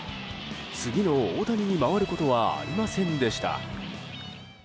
次の大谷に回ることはありませんでした。